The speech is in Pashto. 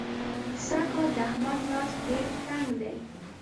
سږکال د احمد لاس ډېر تنګ دی.